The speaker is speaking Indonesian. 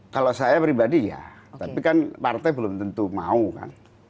kalau saya pribadi ya tapi kan partai belum tentu mau kan